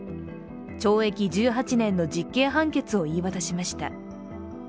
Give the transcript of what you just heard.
懲役１８年の実刑判決を言い渡しました。